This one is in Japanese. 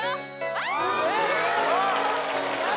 あっ！